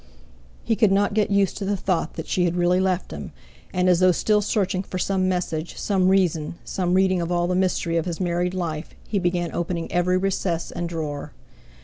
He could not get used to the thought that she had really left him, and as though still searching for some message, some reason, some reading of all the mystery of his married life, he began opening every recess and drawer.